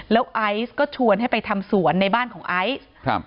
แล้วไอซ์ก็ชวนให้ไปทำสวนในบ้านของไอซ์ครับ